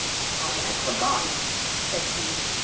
"I had forgotten," said he.